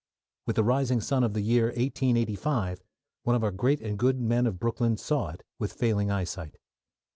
With the rising sun of the year 1885, one of our great and good men of Brooklyn saw it with failing eyesight.